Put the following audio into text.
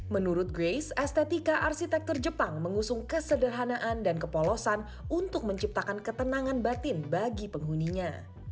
menurut grace estetika arsitektur jepang mengusung kesederhanaan dan kepolosan untuk menciptakan ketenangan batin bagi penghuninya